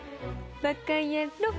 ばかやろっ！